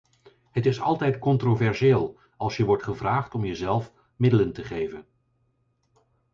Het is altijd controversieel als je wordt gevraagd om jezelf middelen te geven.